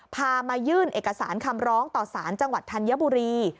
พามายื่นเอกสารคำร้องต่อสารจังหวัดธัญบุรี